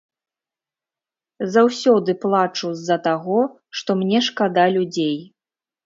Заўсёды плачу з-за таго, што мне шкада людзей.